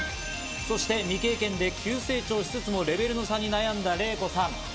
そして未経験で急成長しつつもレベルの差に悩んだレイコさん。